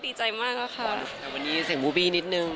แต่วันนี้เสียงบูบีนิดหนึ่ง